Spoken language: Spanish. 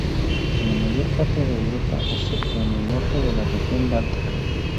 En la mayor parte de Europa, excepto en el norte de la región báltica.